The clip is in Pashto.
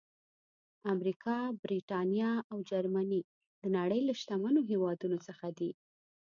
امریکا، برېټانیا او جرمني د نړۍ له شتمنو هېوادونو څخه دي.